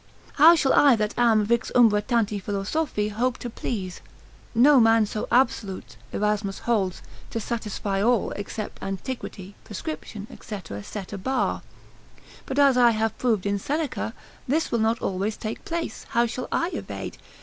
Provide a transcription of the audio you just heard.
How shall I that am vix umbra tanti philosophi hope to please? No man so absolute (Erasmus holds) to satisfy all, except antiquity, prescription, &c., set a bar. But as I have proved in Seneca, this will not always take place, how shall I evade?